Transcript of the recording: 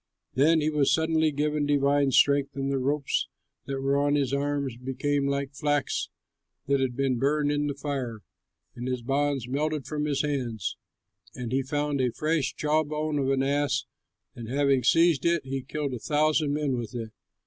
Then he was suddenly given divine strength, and the ropes that were on his arms became like flax that has been burned in the fire, and his bonds melted from his hands. And he found a fresh jaw bone of an ass, and having seized it, he killed a thousand men with it.